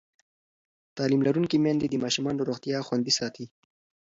تعلیم لرونکې میندې د ماشومانو روغتیا خوندي ساتي.